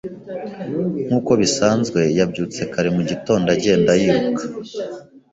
Nkuko bisanzwe, yabyutse kare mu gitondo agenda yiruka.